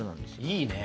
いいね。